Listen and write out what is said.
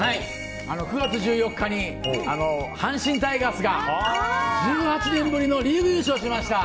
９月１４日に阪神タイガースが１８年ぶりのリーグ優勝しました。